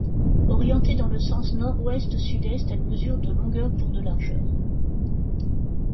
Orientée dans le sens nord-ouest-sud-est, elle mesure de longueur pour de largeur.